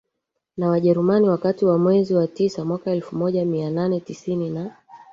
na WajerumaniWakati wa mwezi wa tisa mwaka elfu moja mia nane tisini na